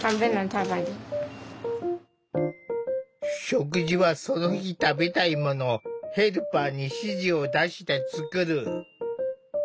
食事はその日食べたいものをヘルパーに指示を出して作る。